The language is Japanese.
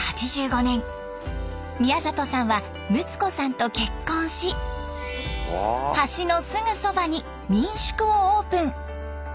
宮里さんはむつ子さんと結婚し橋のすぐそばに民宿をオープン！